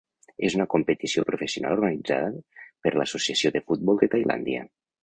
És una competició professional organitzada per l'Associació de Futbol de Tailàndia.